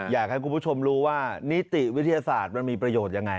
อยากให้คุณผู้ชมรู้ว่านิติวิทยาศาสตร์มันมีประโยชน์ยังไง